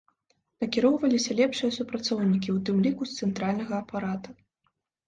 Накіроўваліся лепшыя супрацоўнікі, у тым ліку з цэнтральнага апарата.